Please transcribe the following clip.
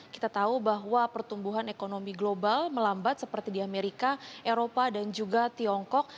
kita tahu bahwa pertumbuhan ekonomi global melambat seperti di amerika eropa dan juga tiongkok